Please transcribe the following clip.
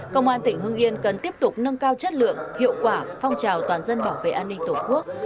công an tỉnh hưng yên cần tiếp tục nâng cao chất lượng hiệu quả phong trào toàn dân bảo vệ an ninh tổ quốc